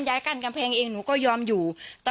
กั้นกำแพงเองหนูก็ยอมอยู่